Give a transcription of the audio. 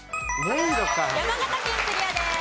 山形県クリアです。